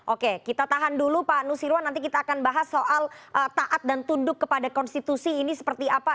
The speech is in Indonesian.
oke kita tahan dulu pak nusirwan nanti kita akan bahas soal taat dan tunduk kepada konstitusi ini seperti apa